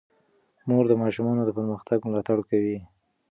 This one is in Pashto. مور د ماشومانو د پرمختګ ملاتړ کوي.